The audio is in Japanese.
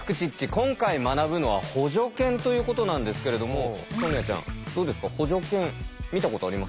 今回学ぶのは補助犬ということなんですけれどもソニアちゃんどうですか補助犬見たことあります？